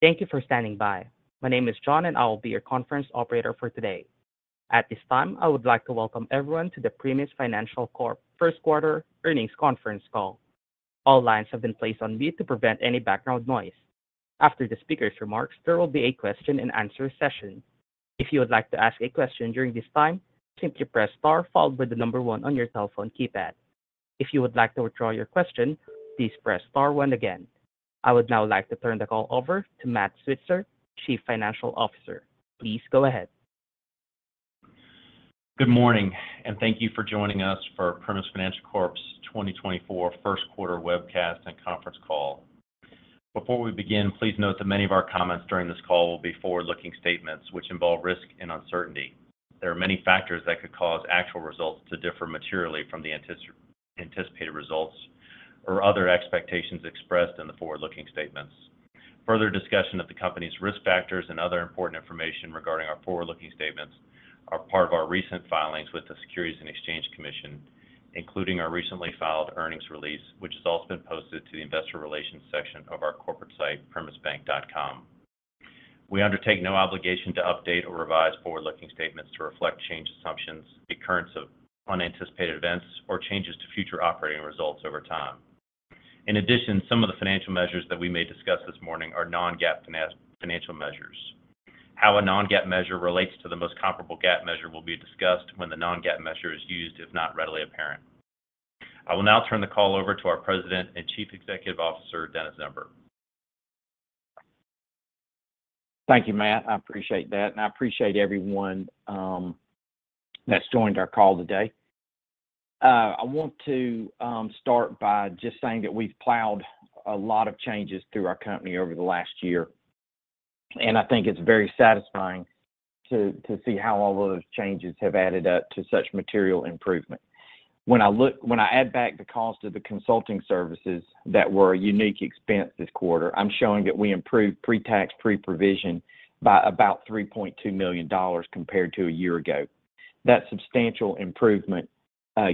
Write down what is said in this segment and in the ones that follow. Thank you for standing by. My name is John, and I will be your conference operator for today. At this time, I would like to welcome everyone to the Primis Financial Corp first quarter earnings conference call. All lines have been placed on mute to prevent any background noise. After the speaker's remarks, there will be a question-and-answer session. If you would like to ask a question during this time, simply press star followed by the number one on your telephone keypad. If you would like to withdraw your question, please press star one again. I would now like to turn the call over to Matt Switzer, Chief Financial Officer. Please go ahead. Good morning, and thank you for joining us for Primis Financial Corp's 2024 first quarter webcast and conference call. Before we begin, please note that many of our comments during this call will be forward-looking statements which involve risk and uncertainty. There are many factors that could cause actual results to differ materially from the anticipated results or other expectations expressed in the forward-looking statements. Further discussion of the company's risk factors and other important information regarding our forward-looking statements are part of our recent filings with the Securities and Exchange Commission, including our recently filed earnings release, which has also been posted to the investor relations section of our corporate site, primisbank.com. We undertake no obligation to update or revise forward-looking statements to reflect changed assumptions, occurrence of unanticipated events, or changes to future operating results over time. In addition, some of the financial measures that we may discuss this morning are non-GAAP financial measures. How a non-GAAP measure relates to the most comparable GAAP measure will be discussed when the non-GAAP measure is used if not readily apparent. I will now turn the call over to our President and Chief Executive Officer, Dennis Zember. Thank you, Matt. I appreciate that, and I appreciate everyone that's joined our call today. I want to start by just saying that we've plowed a lot of changes through our company over the last year, and I think it's very satisfying to see how all those changes have added up to such material improvement. When I add back the cost of the consulting services that were a unique expense this quarter, I'm showing that we improved pre-tax, pre-provision by about $3.2 million compared to a year ago. That's substantial improvement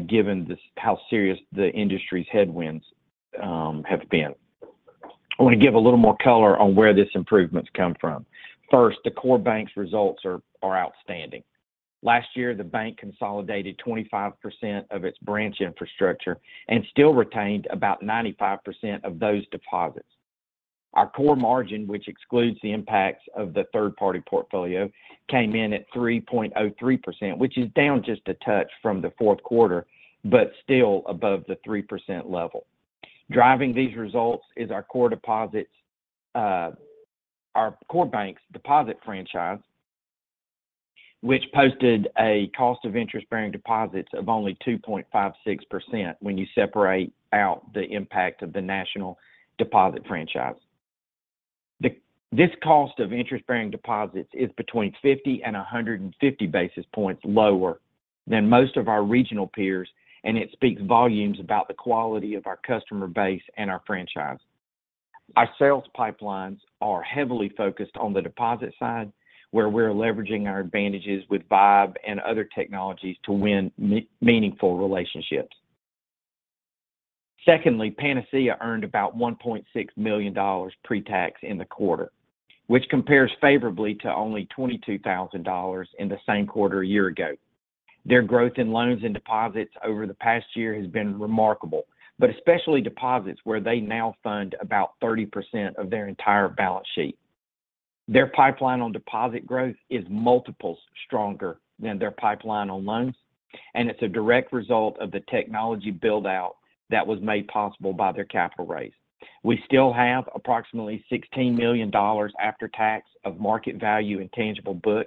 given how serious the industry's headwinds have been. I want to give a little more color on where this improvement's come from. First, the core bank's results are outstanding. Last year, the bank consolidated 25% of its branch infrastructure and still retained about 95% of those deposits. Our core margin, which excludes the impacts of the third-party portfolio, came in at 3.03%, which is down just a touch from the fourth quarter but still above the 3% level. Driving these results is our core bank's deposit franchise, which posted a cost of interest-bearing deposits of only 2.56% when you separate out the impact of the national deposit franchise. This cost of interest-bearing deposits is between 50 and 150 basis points lower than most of our regional peers, and it speaks volumes about the quality of our customer base and our franchise. Our sales pipelines are heavily focused on the deposit side, where we're leveraging our advantages with V1BE and other technologies to win meaningful relationships. Secondly, Panacea earned about $1.6 million pre-tax in the quarter, which compares favorably to only $22,000 in the same quarter a year ago. Their growth in loans and deposits over the past year has been remarkable, but especially deposits where they now fund about 30% of their entire balance sheet. Their pipeline on deposit growth is multiples stronger than their pipeline on loans, and it's a direct result of the technology buildout that was made possible by their capital raise. We still have approximately $16 million after tax of market value in tangible book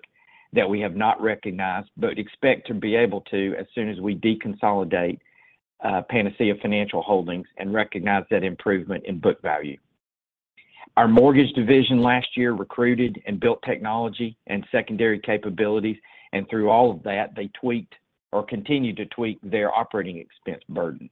that we have not recognized but expect to be able to as soon as we deconsolidate Panacea Financial Holdings and recognize that improvement in book value. Our mortgage division last year recruited and built technology and secondary capabilities, and through all of that, they tweaked or continued to tweak their operating expense burden.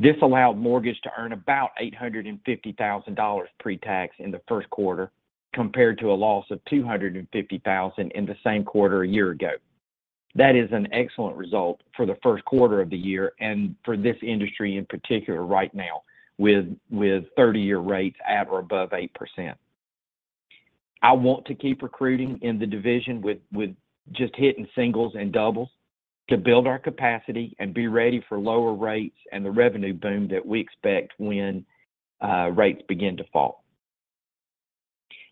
This allowed mortgage to earn about $850,000 pre-tax in the first quarter compared to a loss of $250,000 in the same quarter a year ago. That is an excellent result for the first quarter of the year and for this industry in particular right now with 30-year rates at or above 8%. I want to keep recruiting in the division with just hitting singles and doubles to build our capacity and be ready for lower rates and the revenue boom that we expect when rates begin to fall.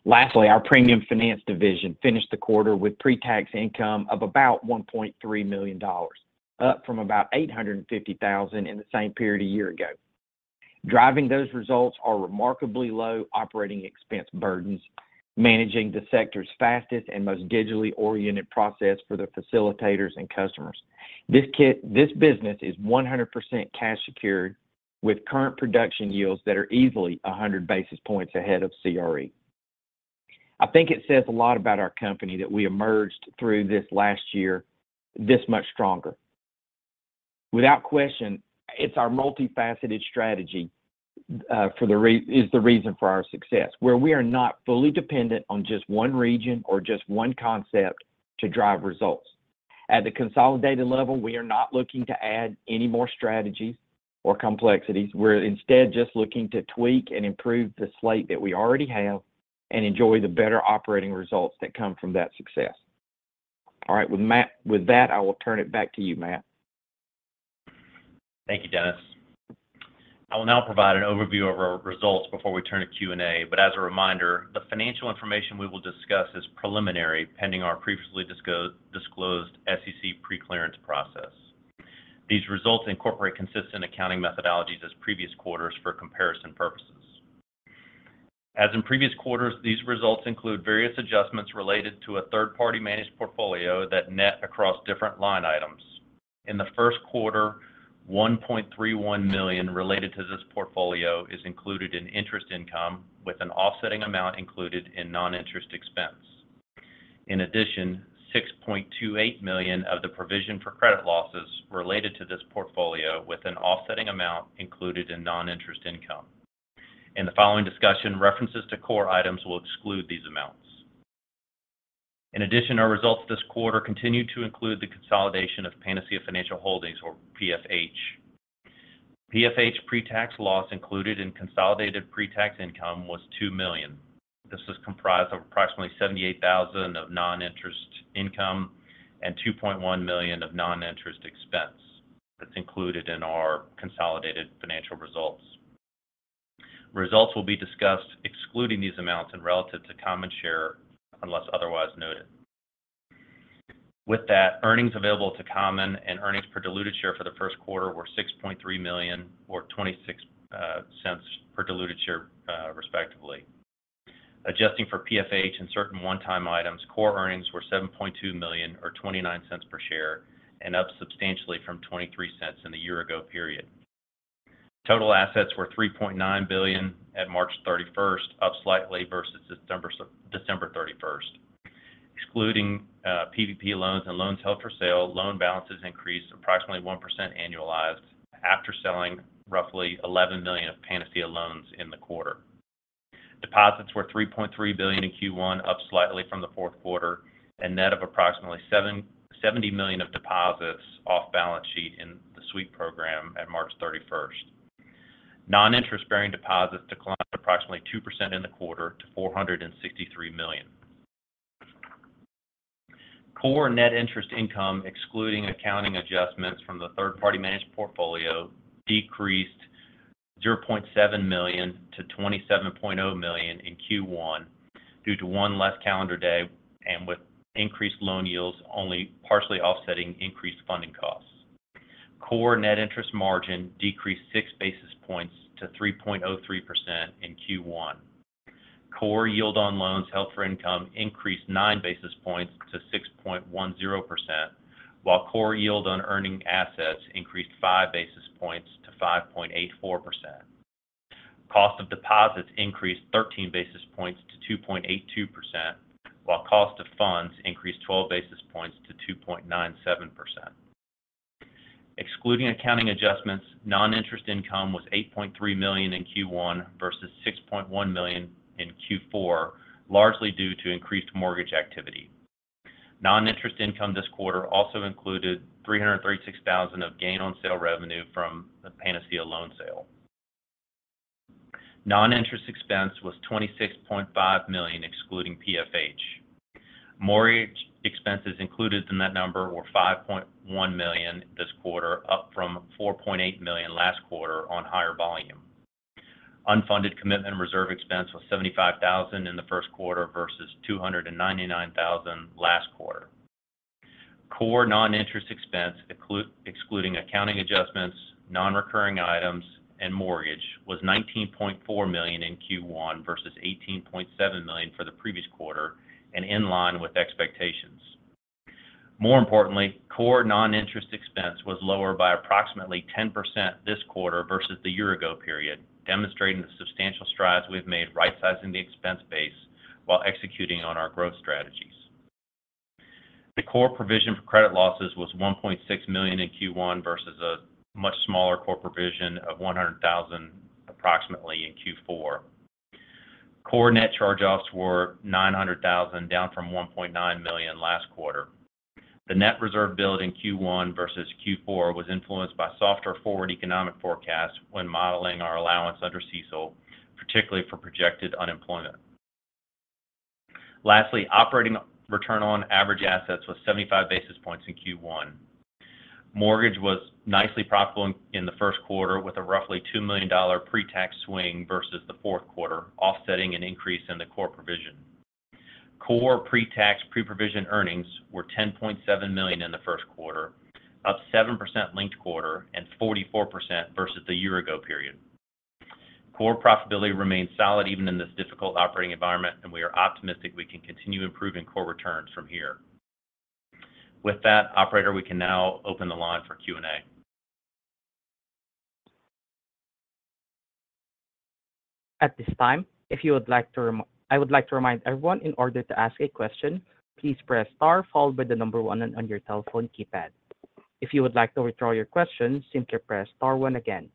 Lastly, our premium finance division finished the quarter with pre-tax income of about $1.3 million, up from about $850,000 in the same period a year ago. Driving those results are remarkably low operating expense burdens, managing the sector's fastest and most digitally oriented process for the facilitators and customers. This business is 100% cash-secured with current production yields that are easily 100 basis points ahead of CRE. I think it says a lot about our company that we emerged through this last year this much stronger. Without question, it's our multifaceted strategy that is the reason for our success, where we are not fully dependent on just one region or just one concept to drive results. At the consolidated level, we are not looking to add any more strategies or complexities. We're instead just looking to tweak and improve the slate that we already have and enjoy the better operating results that come from that success. All right. With that, I will turn it back to you, Matt. Thank you, Dennis. I will now provide an overview of our results before we turn to Q&A. As a reminder, the financial information we will discuss is preliminary pending our previously disclosed SEC pre-clearance process. These results incorporate consistent accounting methodologies as previous quarters for comparison purposes. As in previous quarters, these results include various adjustments related to a third-party managed portfolio that net across different line items. In the first quarter, $1.31 million related to this portfolio is included in interest income with an offsetting amount included in non-interest expense. In addition, $6.28 million of the provision for credit losses related to this portfolio with an offsetting amount included in non-interest income. In the following discussion, references to core items will exclude these amounts. In addition, our results this quarter continue to include the consolidation of Panacea Financial Holdings, or PFH. PFH pre-tax loss included in consolidated pre-tax income was $2 million. This is comprised of approximately $78,000 of non-interest income and $2.1 million of non-interest expense that's included in our consolidated financial results. Results will be discussed excluding these amounts and relative to common share unless otherwise noted. With that, earnings available to common and earnings per diluted share for the first quarter were $6.3 million or $0.26 per diluted share, respectively. Adjusting for PFH and certain one-time items, core earnings were $7.2 million or $0.29 per share and up substantially from $0.23 in the year-ago period. Total assets were $3.9 billion at March 31st, up slightly versus December 31st. Excluding PPP loans and loans held for sale, loan balances increased approximately 1% annualized after selling roughly $11 million of Panacea loans in the quarter. Deposits were $3.3 billion in Q1, up slightly from the fourth quarter, and net of approximately $70 million of deposits off balance sheet in the sweep program at March 31st. Non-interest-bearing deposits declined approximately 2% in the quarter to $463 million. Core net interest income, excluding accounting adjustments from the third-party managed portfolio, decreased $0.7 million to $27.0 million in Q1 due to one less calendar day and with increased loan yields only partially offsetting increased funding costs. Core net interest margin decreased 6 basis points to 3.03% in Q1. Core yield on loans held for income increased 9 basis points to 6.10%, while core yield on earning assets increased 5 basis points to 5.84%. Cost of deposits increased 13 basis points to 2.82%, while cost of funds increased 12 basis points to 2.97%. Excluding accounting adjustments, non-interest income was $8.3 million in Q1 versus $6.1 million in Q4, largely due to increased mortgage activity. Non-interest income this quarter also included $336,000 of gain-on-sale revenue from the Panacea loan sale. Non-interest expense was $26.5 million excluding PFH. Mortgage expenses included in that number were $5.1 million this quarter, up from $4.8 million last quarter on higher volume. Unfunded commitment reserve expense was $75,000 in the first quarter versus $299,000 last quarter. Core non-interest expense, excluding accounting adjustments, non-recurring items, and mortgage was $19.4 million in Q1 versus $18.7 million for the previous quarter and in line with expectations. More importantly, core non-interest expense was lower by approximately 10% this quarter versus the year-ago period, demonstrating the substantial strides we've made right-sizing the expense base while executing on our growth strategies. The core provision for credit losses was $1.6 million in Q1 versus a much smaller core provision of $100,000 approximately in Q4. Core net charge-offs were $900,000, down from $1.9 million last quarter. The net reserve build in Q1 versus Q4 was influenced by softer forward economic forecasts when modeling our allowance under CECL, particularly for projected unemployment. Lastly, operating return on average assets was 75 basis points in Q1. Mortgage was nicely profitable in the first quarter with a roughly $2 million pre-tax swing versus the fourth quarter, offsetting an increase in the core provision. Core pre-tax pre-provision earnings were $10.7 million in the first quarter, up 7% linked quarter and 44% versus the year-ago period. Core profitability remains solid even in this difficult operating environment, and we are optimistic we can continue improving core returns from here. With that, Operator, we can now open the line for Q&A. At this time, I would like to remind everyone, in order to ask a question, please press star followed by the number one on your telephone keypad. If you would like to withdraw your question, simply press star one again.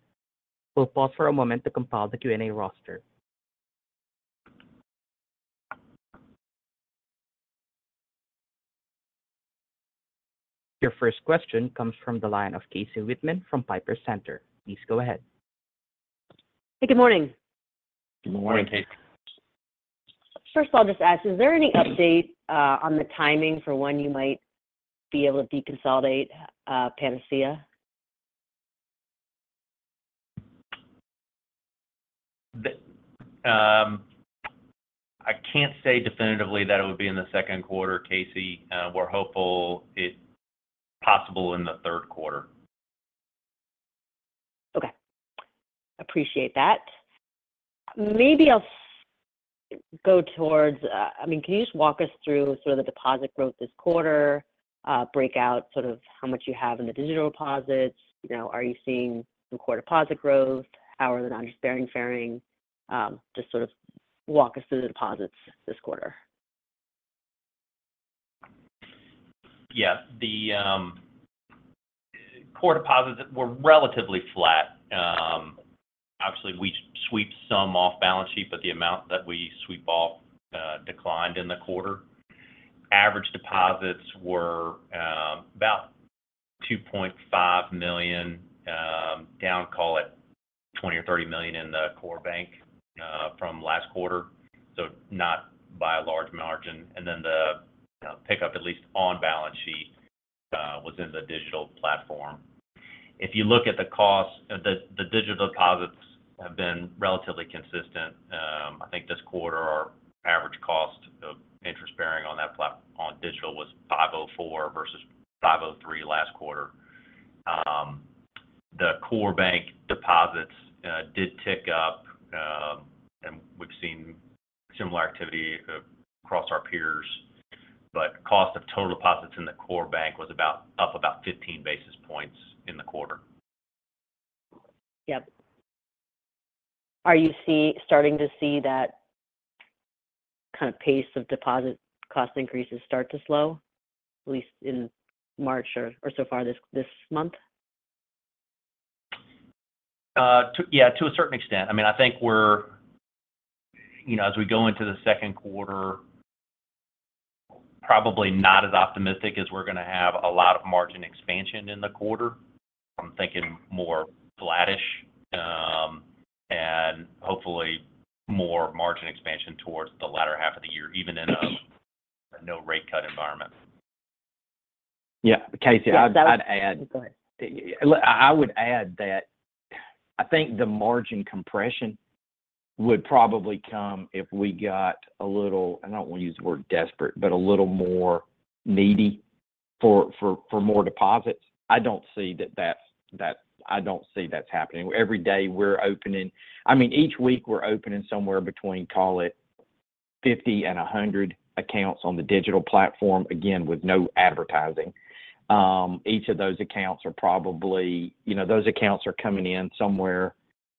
We'll pause for a moment to compile the Q&A roster. Your first question comes from the line of Casey Whitman from Piper Sandler. Please go ahead. Hey, good morning. Good morning, Casey. First, I'll just ask, is there any update on the timing for when you might be able to deconsolidate Panacea? I can't say definitively that it would be in the second quarter, Casey. We're hopeful it's possible in the third quarter. Okay. Appreciate that. Maybe I'll go towards I mean, can you just walk us through sort of the deposit growth this quarter, break out sort of how much you have in the digital deposits? Are you seeing some core deposit growth? How are the non-interest-bearing faring? Just sort of walk us through the deposits this quarter. Yeah. The core deposits were relatively flat. Obviously, we sweep some off balance sheet, but the amount that we sweep off declined in the quarter. Average deposits were about $2.5 million, down, call it, $20 million or $30 million in the core bank from last quarter, so not by a large margin. And then the pickup, at least on balance sheet, was in the digital platform. If you look at the costs, the digital deposits have been relatively consistent. I think this quarter, our average cost of interest-bearing on digital was 5.04% versus 5.03% last quarter. The core bank deposits did tick up, and we've seen similar activity across our peers. But cost of total deposits in the core bank was up about 15 basis points in the quarter. Yep. Are you starting to see that kind of pace of deposit cost increases start to slow, at least in March or so far this month? Yeah, to a certain extent. I mean, I think as we go into the second quarter, probably not as optimistic as we're going to have a lot of margin expansion in the quarter. I'm thinking more flat-ish and hopefully more margin expansion towards the latter half of the year, even in a no-rate-cut environment. Yeah. Casey, I'd add. Yes, that was. Go ahead. I would add that I think the margin compression would probably come if we got a little—I don't want to use the word desperate, but a little more needy—for more deposits. I don't see that's happening. Every day, I mean, each week, we're opening somewhere between, call it, 50 and 100 accounts on the digital platform, again, with no advertising. Each of those accounts are probably coming in somewhere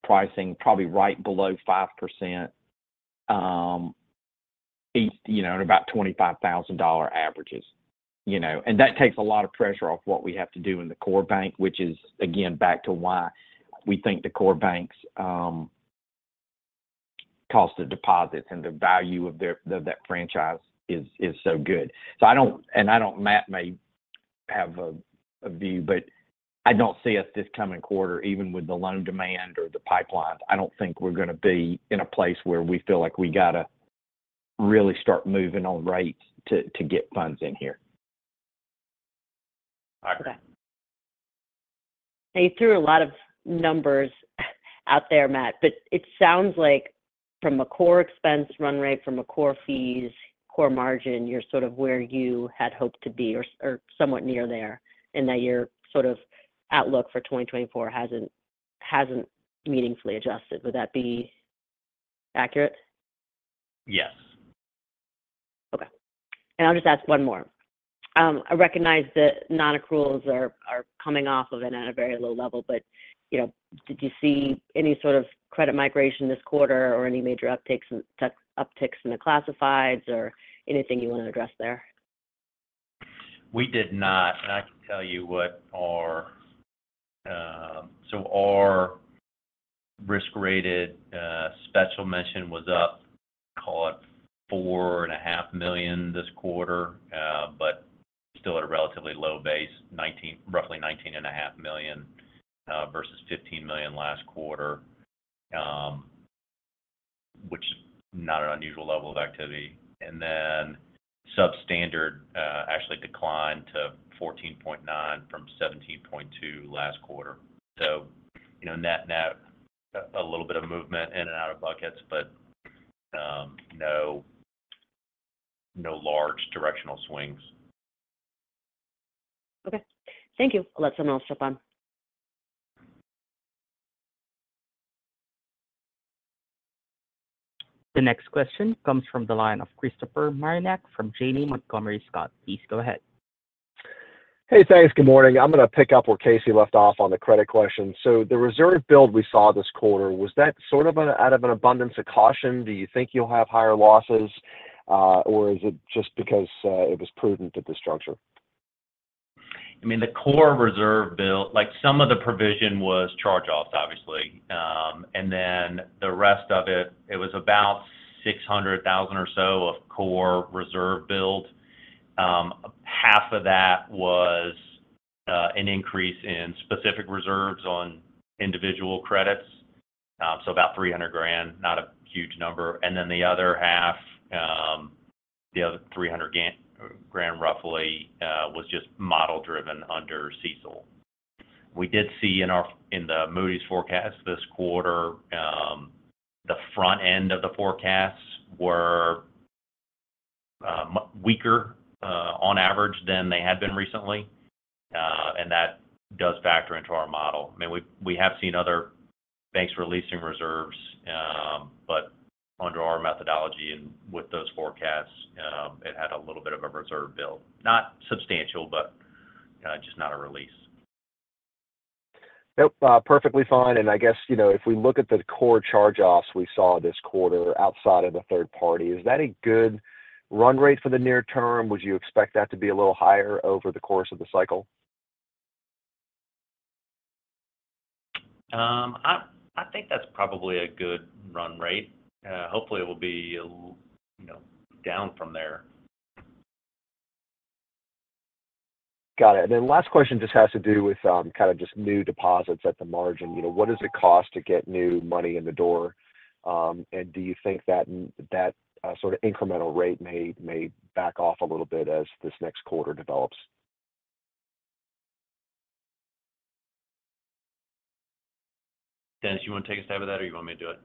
pricing probably right below 5% at about $25,000 averages. And that takes a lot of pressure off what we have to do in the core bank, which is, again, back to why we think the core bank's cost of deposits and the value of that franchise is so good. Matt may have a view, but I don't see us this coming quarter, even with the loan demand or the pipeline. I don't think we're going to be in a place where we feel like we got to really start moving on rates to get funds in here. Okay. Okay. Now, you threw a lot of numbers out there, Matt, but it sounds like from a core expense run rate, from a core fees, core margin, you're sort of where you had hoped to be or somewhat near there in that your sort of outlook for 2024 hasn't meaningfully adjusted. Would that be accurate? Yes. Okay. I'll just ask one more. I recognize that non-accruals are coming off of it at a very low level, but did you see any sort of credit migration this quarter or any major upticks in the classifieds or anything you want to address there? We did not. I can tell you what our so our risk-rated special mention was up, call it, $4.5 million this quarter, but still at a relatively low base, roughly $19.5 million versus $15 million last quarter, which is not an unusual level of activity. And then substandard actually declined to $14.9 million from $17.2 million last quarter. Net-net, a little bit of movement in and out of buckets, but no large directional swings. Okay. Thank you. I'll let someone else jump on. The next question comes from the line of Christopher Marinac from Janney Montgomery Scott. Please go ahead. Hey, thanks. Good morning. I'm going to pick up where Casey left off on the credit question. So the reserve build we saw this quarter, was that sort of out of an abundance of caution? Do you think you'll have higher losses, or is it just because it was prudent at this juncture? I mean, the core reserve build some of the provision was charge-offs, obviously. And then the rest of it, it was about $600,000 or so of core reserve build. Half of that was an increase in specific reserves on individual credits, so about $300,000, not a huge number. And then the other half, the other $300,000 roughly, was just model-driven under CECL. We did see in the Moody's forecast this quarter, the front end of the forecasts were weaker on average than they had been recently, and that does factor into our model. I mean, we have seen other banks releasing reserves, but under our methodology and with those forecasts, it had a little bit of a reserve build, not substantial, but just not a release. Yep, perfectly fine. I guess if we look at the core charge-offs we saw this quarter outside of the third party, is that a good run rate for the near term? Would you expect that to be a little higher over the course of the cycle? I think that's probably a good run rate. Hopefully, it will be down from there. Got it. And then last question just has to do with kind of just new deposits at the margin. What does it cost to get new money in the door? And do you think that sort of incremental rate may back off a little bit as this next quarter develops? Dennis, you want to take a stab at that, or you want me to do it?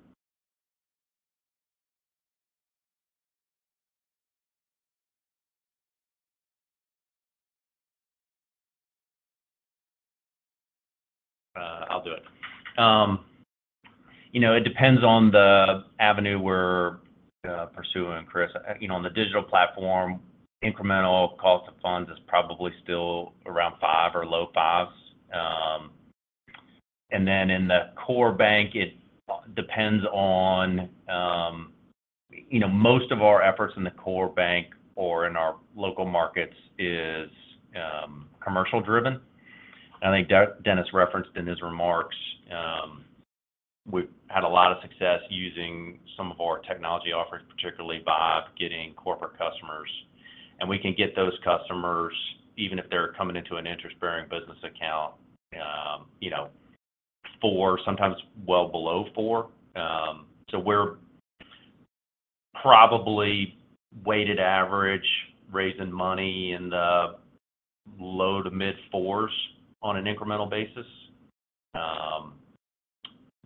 I'll do it. It depends on the avenue we're pursuing, Chris. On the digital platform, incremental cost of funds is probably still around 5% or low 5s. And then in the core bank, it depends on most of our efforts in the core bank or in our local markets is commercial-driven. And I think Dennis referenced in his remarks, we've had a lot of success using some of our technology offerings, particularly V1BE, getting corporate customers. And we can get those customers, even if they're coming into an interest-bearing business account, for sometimes well below 4%. So we're probably weighted average, raising money in the low- to mid-4s on an incremental basis.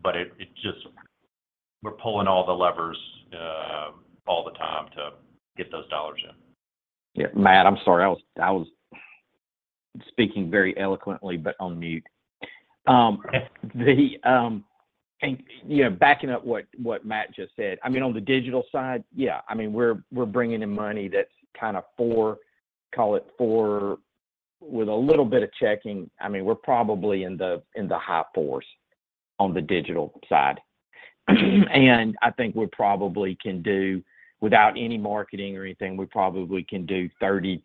But we're pulling all the levers all the time to get those dollars in. Yeah. Matt, I'm sorry. I was speaking very eloquently but on mute. Backing up what Matt just said, I mean, on the digital side, yeah, I mean, we're bringing in money that's kind of 4, call it 4 with a little bit of checking. I mean, we're probably in the high 4s on the digital side. And I think we probably can do without any marketing or anything, we probably can do $30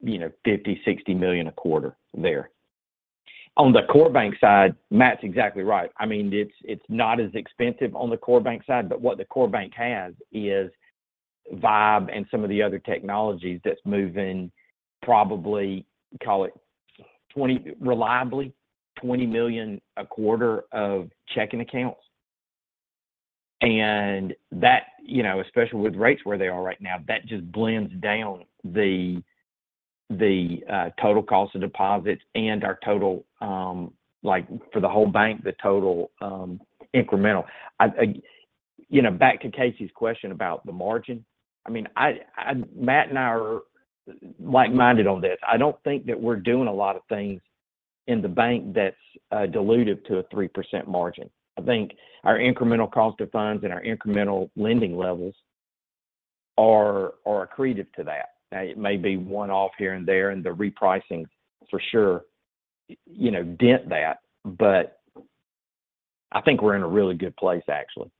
million-$60 million a quarter there. On the core bank side, Matt's exactly right. I mean, it's not as expensive on the core bank side, but what the core bank has is V1BE and some of the other technologies that's moving probably, call it, reliably $20 million a quarter of checking accounts. And especially with rates where they are right now, that just blends down the total cost of deposits and our total for the whole bank, the total incremental. Back to Casey's question about the margin, I mean, Matt and I are like-minded on this. I don't think that we're doing a lot of things in the bank that's dilutive to a 3% margin. I think our incremental cost of funds and our incremental lending levels are accretive to that. Now, it may be one-off here and there, and the repricings, for sure, dent that. But I think we're in a really good place, actually.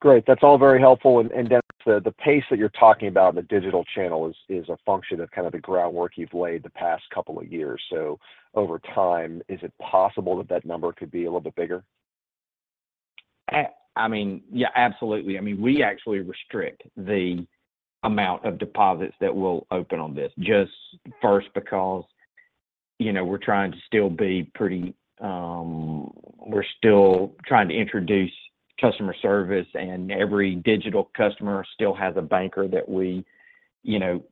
Great. That's all very helpful. And Dennis, the pace that you're talking about in the digital channel is a function of kind of the groundwork you've laid the past couple of years. So over time, is it possible that that number could be a little bit bigger? I mean, yeah, absolutely. I mean, we actually restrict the amount of deposits that will open on this, just first because we're still trying to introduce customer service, and every digital customer still has a banker that we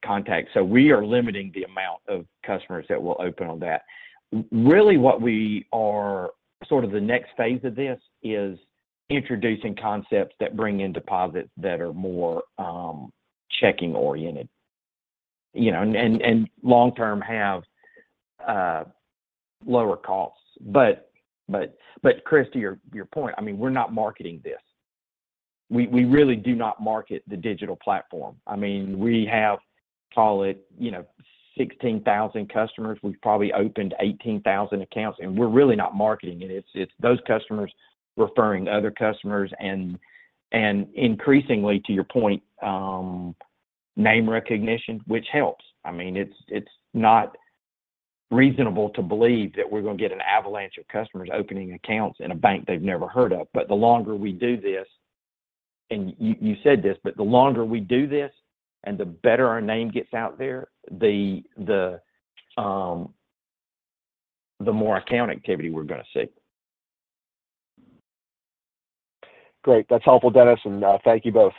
contact. So we are limiting the amount of customers that will open on that. Really, what we are sort of the next phase of this is introducing concepts that bring in deposits that are more checking-oriented and long-term have lower costs. But Chris, to your point, I mean, we're not marketing this. We really do not market the digital platform. I mean, we have, call it, 16,000 customers. We've probably opened 18,000 accounts. And we're really not marketing it. It's those customers referring other customers. And increasingly, to your point, name recognition, which helps. I mean, it's not reasonable to believe that we're going to get an avalanche of customers opening accounts in a bank they've never heard of. But the longer we do this and you said this, but the longer we do this and the better our name gets out there, the more account activity we're going to see. Great. That's helpful, Dennis. Thank you both.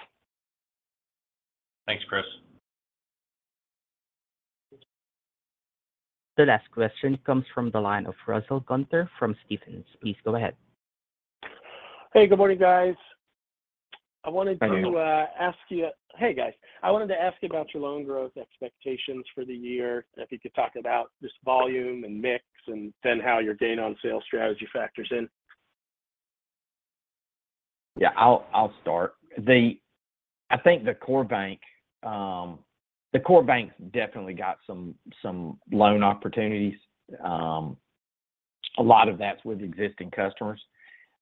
Thanks, Chris. The next question comes from the line of Russell Gunther from Stephens. Please go ahead. Hey, good morning, guys. I wanted to ask you about your loan growth expectations for the year, if you could talk about just volume and mix and then how your gain-on-sale strategy factors in. Yeah, I'll start. I think the core bank's definitely got some loan opportunities. A lot of that's with existing customers.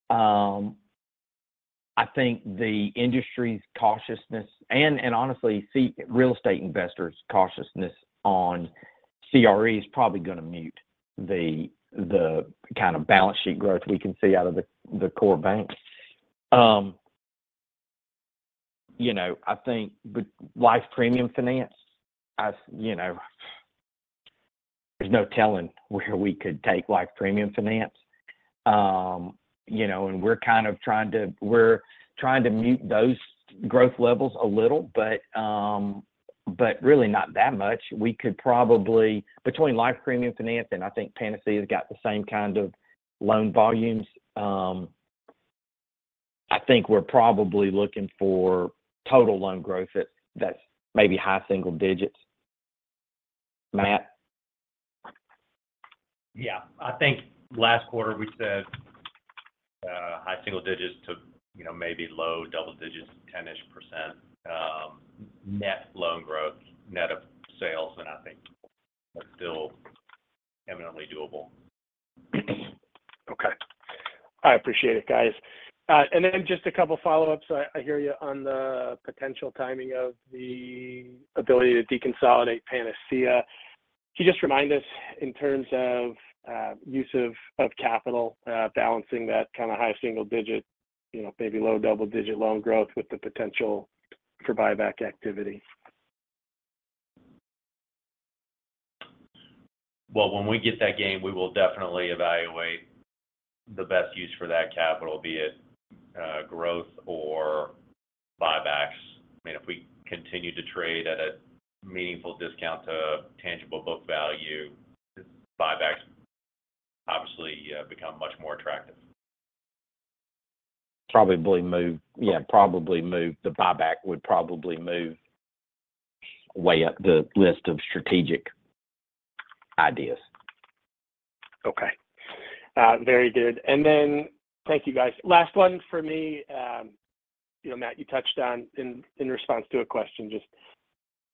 I think the industry's cautiousness and, honestly, real estate investors' cautiousness on CRE is probably going to mute the kind of balance sheet growth we can see out of the core bank. I think with Life Premium Finance, there's no telling where we could take Life Premium Finance. And we're kind of trying to mute those growth levels a little, but really not that much. Between Life Premium Finance and, I think Panacea has got the same kind of loan volumes, I think we're probably looking for total loan growth that's maybe high single digits. Matt? Yeah. I think last quarter, we said high single digits to maybe low double digits, 10%-ish net loan growth, net of sales, and I think that's still eminently doable. Okay. I appreciate it, guys. Just a couple of follow-ups. I hear you on the potential timing of the ability to deconsolidate Panacea. Can you just remind us in terms of use of capital, balancing that kind of high single digit, maybe low double digit loan growth with the potential for buyback activity? Well, when we get that gain, we will definitely evaluate the best use for that capital, be it growth or buybacks. I mean, if we continue to trade at a meaningful discount to tangible book value, buybacks obviously become much more attractive. Yeah, probably move. The buyback would probably move way up the list of strategic ideas. Okay. Very good. And then thank you, guys. Last one for me, Matt. You touched on, in response to a question, just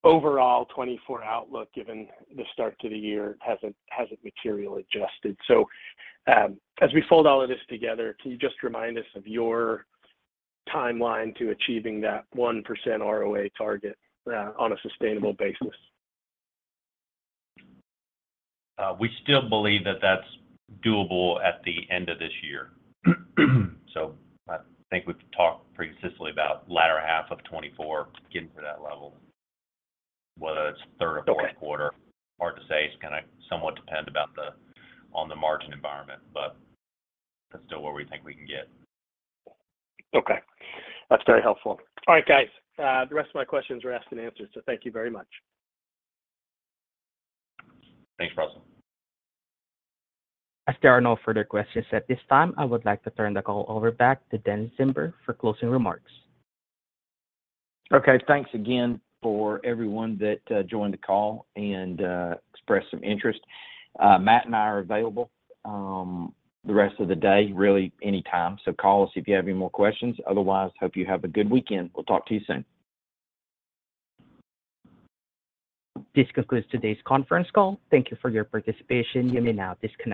overall 24-hour outlook given the start to the year hasn't materially adjusted. So as we fold all of this together, can you just remind us of your timeline to achieving that 1% ROA target on a sustainable basis? We still believe that that's doable at the end of this year. So I think we've talked previously about latter half of 2024 getting to that level, whether it's third or fourth quarter. Hard to say. It's going to somewhat depend on the margin environment, but that's still where we think we can get. Okay. That's very helpful. All right, guys. The rest of my questions were asked and answered, so thank you very much. Thanks, Russell. As there are no further questions at this time, I would like to turn the call over back to Dennis Zember for closing remarks. Okay. Thanks again for everyone that joined the call and expressed some interest. Matt and I are available the rest of the day, really any time. So call us if you have any more questions. Otherwise, hope you have a good weekend. We'll talk to you soon. This concludes today's conference call. Thank you for your participation. You may now disconnect.